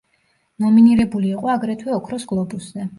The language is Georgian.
ნომინირებული იყო აგრეთვე ოქროს გლობუსზე.